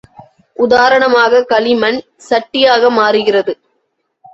உதாரணமாக களிமண், சட்டியாக மாறுகிறது.